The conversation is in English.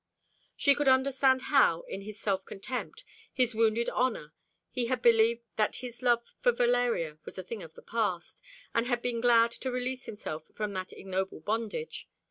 She could understand how, in his self contempt, his wounded honour, he had believed that his love for Valeria was a thing of the past, and had been glad to release himself from the ignoble bondage.